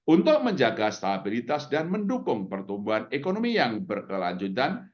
untuk menjaga stabilitas dan mendukung pertumbuhan ekonomi yang berkelanjutan